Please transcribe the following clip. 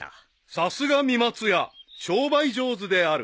［さすがみまつや商売上手である］